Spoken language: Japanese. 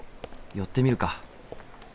寄ってみるか。